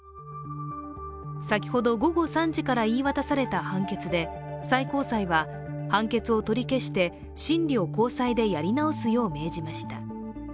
先ほど午後３時から言い渡された判決で、最高裁は判決を取り消して、審理を高裁でやり直すよう命じました。